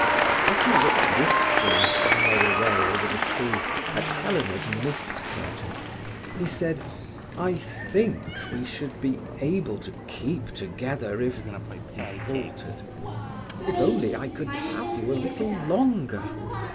As he looked wistfully far away over the sea at Helena's mist curtain, he said: "I think we should be able to keep together if"—he faltered—"if only I could have you a little longer.